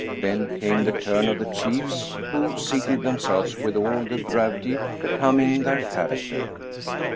Then came the turn of the chiefs, who seated themselves with all the gravity becoming their char acter.